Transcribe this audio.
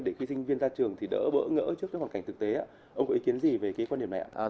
để khi sinh viên ra trường thì đỡ bỡ ngỡ trước hoàn cảnh thực tế ông có ý kiến gì về cái quan điểm này ạ